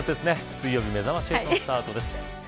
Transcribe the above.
水曜日めざまし８スタートです。